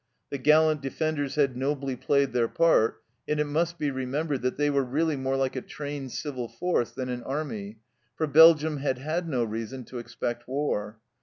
The gallant defenders had nobly played their part, and it must be remembered that they were really more like a trained civil force than an army, for Belgium had had no reason to expect war.